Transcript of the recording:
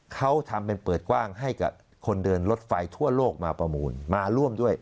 เขาทำเป็นเปิดกว้างให้กับคนเดินรถไฟทั่วโลกมาประมูลมาร่วมด้วย